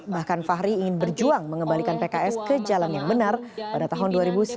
bahkan fahri ingin berjuang mengembalikan pks ke jalan yang benar pada tahun dua ribu sembilan belas